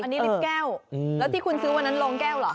อันนี้ลิฟต์แก้วแล้วที่คุณซื้อวันนั้นโรงแก้วเหรอ